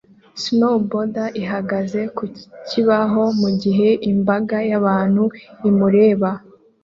Snowboarder ihagaze ku kibaho mu gihe imbaga y'abantu imureba